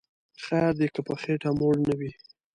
خیر دی که په خیټه موړ نه وی